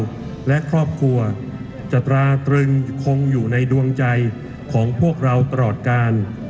จ๋าแซมมีต่อพวกเราและครอบครัวจะตราตรึงคงอยู่ในดวงใจของพวกเราตลอดการ